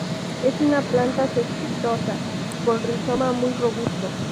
Es una planta cespitosa, con rizoma muy robusto.